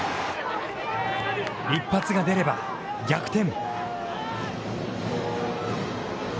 一発が出れば、逆転。